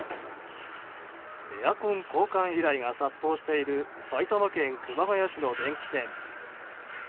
エアコン交換依頼が殺到している埼玉県熊谷市の電気店。